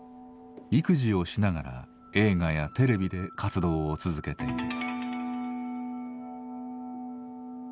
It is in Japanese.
育児をしながら映画やテレビで活動を続けている。